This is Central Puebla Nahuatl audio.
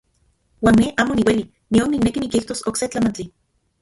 Uan ne amo niueli nion nikneki nikijtos okse tlamantli.